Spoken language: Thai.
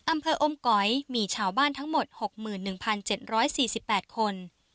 อำเภออมก๋อยมีชาวบ้านทั้งหมด๖๑๗๔๘คน